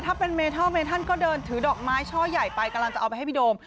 ถ้าเป็นเมทัลเมทันก็เดินถือดอกไม้ช่อใหญ่ไปกำลังจะเอาไปให้พี่โดม